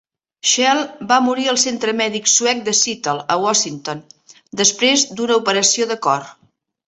Schell va morir al centre mèdic suec de Seattle, a Washington, després d'una operació de cor.